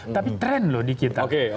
tapi tren loh di kita